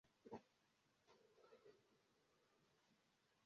Dek-du grandaj rektaj avenuoj eliras de tiu placo kvazaŭ stelo, tiel la malnova nomo.